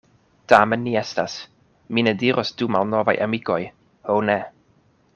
Tamen ni estas, mi ne diros du malnovaj amikoj, ho ne!